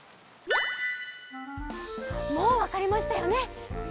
もうわかりましたよね？